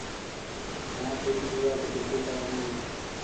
ஆசை, சூதாட்டத்திற்குக் காரணம்.